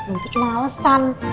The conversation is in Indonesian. itu cuma alesan